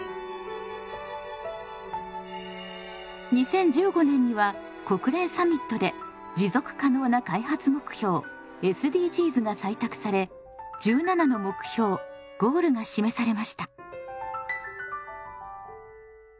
２０１５年には国連サミットで「持続可能な開発目標ＳＤＧｓ」が採択され１７の目標ゴールが示されました。